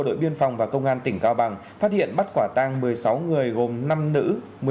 đảng viên gương mẫu